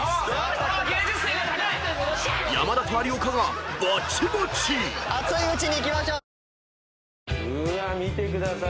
［山田と有岡がバチバチ！］